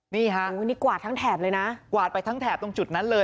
นี่ฮะนี่กวาดทั้งแถบเลยนะกวาดไปทั้งแถบตรงจุดนั้นเลย